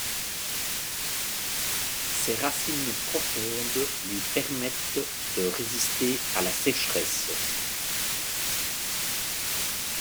Ses racines profondes lui permettent de résister à la sécheresse.